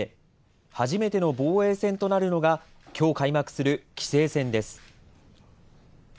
初めての防衛戦となるのがきょう開幕する棋聖戦です。